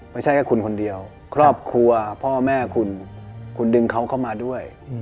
ไม่ใช่แค่คุณคนเดียวครอบครัวพ่อแม่คุณคุณดึงเขาเข้ามาด้วย